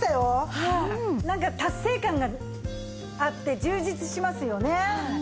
なんか達成感があって充実しますよね。